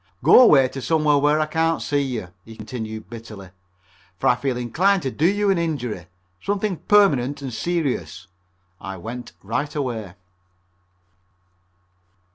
Go away to somewhere where I can't see you," he continued bitterly, "for I feel inclined to do you an injury, something permanent and serious." I went right away.